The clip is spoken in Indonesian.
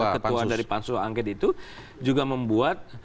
ketua dari pansus angket itu juga membuat